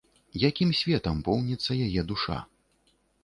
Якім светам поўніцца яе душа?